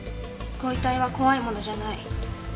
ご遺体は怖いものじゃない。